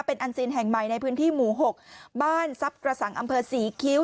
เป็นอันซีนแห่งใหม่ในพื้นที่หมู่๖บ้านทรัพย์กระสังอำเภอศรีคิ้ว